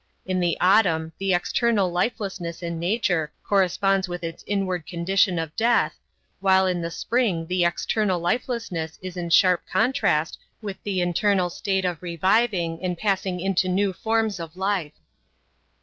In the autumn the external lifelessness in nature corresponds with its inward condition of death, while in the spring the external lifelessness is in sharp contrast with the internal state of reviving and passing into new forms of life.